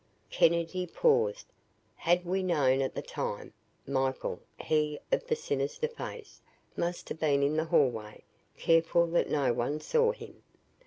Kennedy paused. Had we known at the time, Michael he of the sinister face must have been in the hallway, careful that no one saw him.